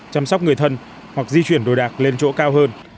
chăm sóc người thân hoặc di chuyển đồ đạc lên chỗ cao hơn